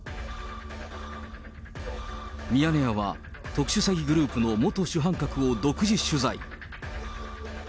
ミヤネ屋は、特殊詐欺グループの元主犯格を独自取材。